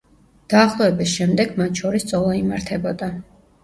დაახლოების შემდეგ მათ შორის წოლა იმართებოდა.